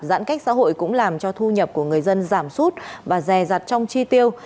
giãn cách xã hội cũng làm cho thu nhập của người dân giảm sút và rè rạt trong chi tiêu